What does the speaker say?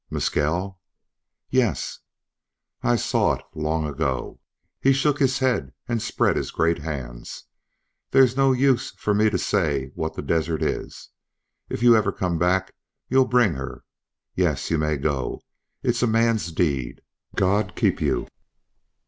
"Mescal?" "Yes." "I saw it long ago." He shook his head and spread his great hands. "There's no use for me to say what the desert is. If you ever come back you'll bring her. Yes, you may go. It's a man's deed. God keep you!"